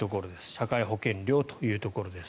社会保険料というところです。